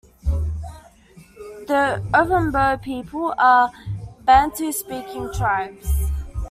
The Ovambo people are Bantu-speaking tribes.